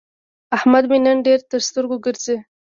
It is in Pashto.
احمد مې نن ډېر تر سترګو ګرځي.